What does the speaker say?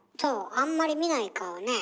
あんまり見ない顔ねえ。